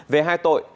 về hai tội